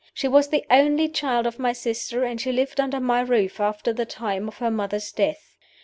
She was the only child of my sister, and she lived under my roof after the time of her mother's death.